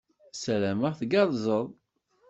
Ssarameɣ tgerrzed.